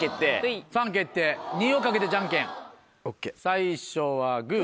最初はグ。